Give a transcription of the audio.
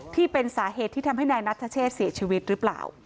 ที่เป็นสาเหตุที่ทำให้นายนัทเชษเสียชีวิตหรือเปล่า